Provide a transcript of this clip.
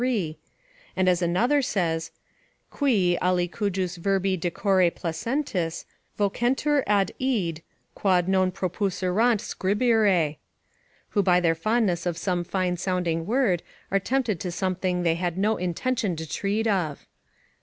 ] And as another says, "Qui, alicujus verbi decore placentis, vocentur ad id, quod non proposuerant scribere." ["Who by their fondness of some fine sounding word, are tempted to something they had no intention to treat of."